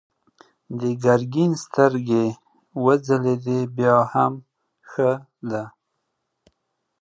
د ګرګين سترګې وځلېدې: بيا هم ښه ده.